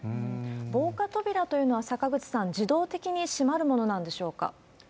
防火扉というのは、坂口さん、自動的に閉まるものなんでしょうか？